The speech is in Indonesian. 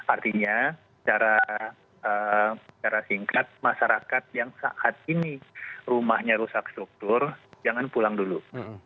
artinya secara singkat masyarakat yang saat ini rumahnya rusak struktur jangan pulang dulu